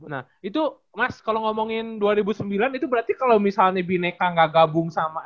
nah itu mas kalau ngomongin dua ribu sembilan itu berarti kalau misalnya bineka gak gabung sama